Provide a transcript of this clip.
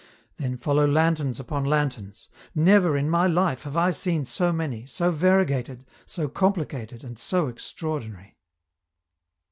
Then follow lanterns upon lanterns. Never in my life have I seen so many, so variegated, so complicated, and so extraordinary.